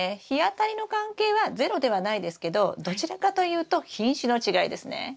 日当たりの関係はゼロではないですけどどちらかというと品種の違いですね。